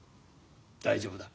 大丈夫だ。